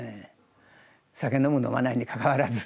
酒飲む飲まないにかかわらず。